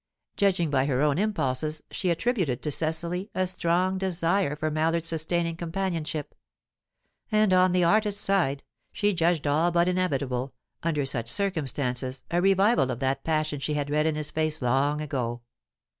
Judging by her own impulses, she attributed to Cecily a strong desire for Mallard's sustaining companionship; and on the artist's side, she judged all but inevitable, under such circumstances, a revival of that passion she had read in his face long ago.